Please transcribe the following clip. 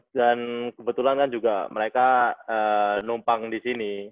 dan kebetulan kan juga mereka numpang di sini